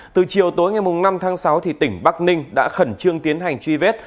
từ chiều tối ngày năm tháng sáu tỉnh bắc ninh đã khẩn trương tiến hành truy vết